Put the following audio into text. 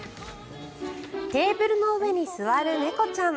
テーブルの上に座る猫ちゃん。